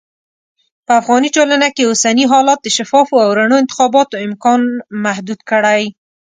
په افغاني ټولنه کې اوسني حالات د شفافو او رڼو انتخاباتو امکان محدود کړی.